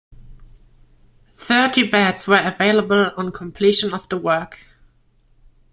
Thirty beds were available on completion of the work.